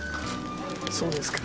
そうですか。